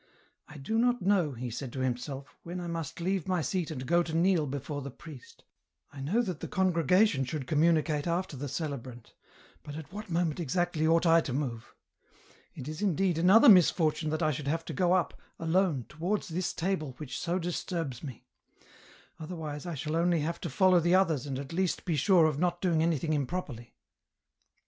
*• I do not know," he said to himself, " when I must leave my seat and go to kneel before the priest ; I know that the congregation should communicate after the celebrant ; but at what moment exactly ought I to move ? It is indeed another misfortune that I should have to go up, alone, to wards this Table which so disturbs me ; otherwise I shall only have to follow the others and at least be sure of not doing anything improperly."